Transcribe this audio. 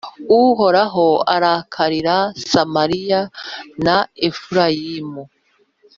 Uhoraho arakarira Samariya na Efurayimu